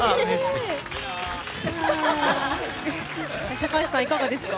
高橋さん、いかがですか。